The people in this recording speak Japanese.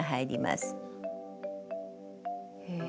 へえ。